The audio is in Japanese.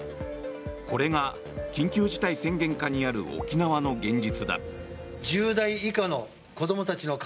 これが緊急事態宣言下にある沖縄の現実だ。